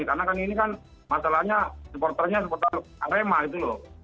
karena kan ini kan masalahnya supporternya seperti arema gitu loh